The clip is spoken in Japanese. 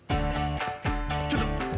ちょっと。